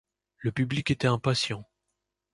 Le public était impatient